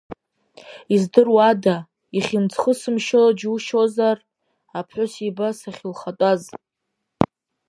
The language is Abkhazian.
Издыруада, ихьымӡӷысымшьо џьушьозар, аԥҳәыс еиба сахьылхатәаз?